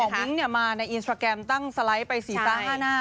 มิ้งมาในอินสตราแกรมตั้งสไลด์ไป๔๕หน้า